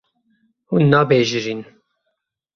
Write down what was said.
Hûn nabijêrin.